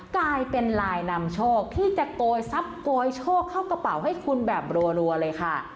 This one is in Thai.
กลายเป็นลายนำโชคที่จะโกยทรัพย์โกยโชคเข้ากระเป๋าให้คุณแบบรัวเลยค่ะ